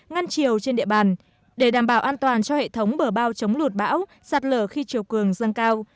ngăn chiều trên địa bàn để đảm bảo an toàn cho hệ thống bờ bao chống lụt bão sạt lở khi chiều cường dâng cao